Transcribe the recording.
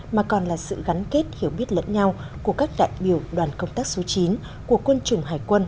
mà còn là sự gắn kết hiểu biết lẫn nhau của các đại biểu đoàn công tác số chín của quân chủng hải quân